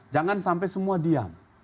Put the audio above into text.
jangan sampai semua diam